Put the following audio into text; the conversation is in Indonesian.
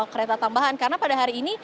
kereta tambahan karena pada hari ini